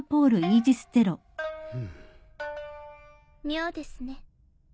妙ですね。